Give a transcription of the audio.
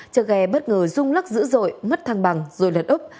chở ghe bất ngờ rung lắc dữ dội mất thang bằng rồi lật úp